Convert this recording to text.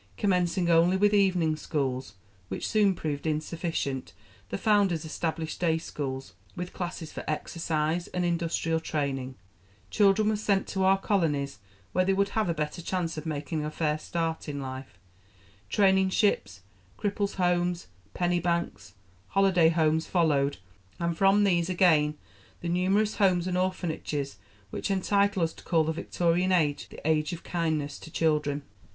Commencing only with evening schools, which soon proved insufficient, the founders established day schools, with classes for exercise and industrial training: children were sent to our colonies where they would have a better chance of making a fair start in life; training ships, cripples' homes, penny banks, holiday homes followed, and from these again the numerous Homes and Orphanages which entitle us to call the Victorian Age the Age of Kindness to Children.